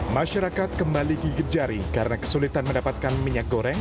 masyarakat kembali gigit jari karena kesulitan mendapatkan minyak goreng